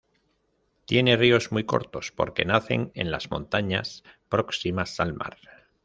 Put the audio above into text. Tiene ríos muy cortos porque nacen en las montañas próximas al mar.